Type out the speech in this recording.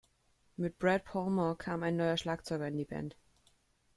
Mit Brad Palmer kam ein neuer Schlagzeuger in die Band.